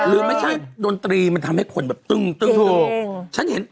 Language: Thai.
หรือไม่ใช่ดนตรีมันทำให้คนแบบตึ้งตึ้งถูกฉันเห็น